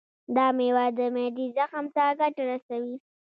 دا میوه د معدې زخم ته ګټه رسوي.